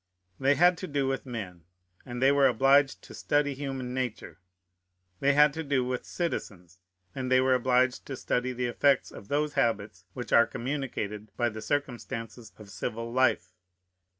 They had to do with men, and they were obliged to study human nature. They had to do with citizens, and they were obliged to study the effects of those habits which are communicated by the circumstances of civil life.